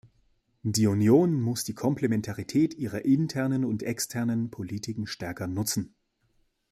Die Union muss die Komplementarität ihrer internen und externen Politiken stärker nutzen.